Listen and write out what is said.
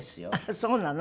そうなの？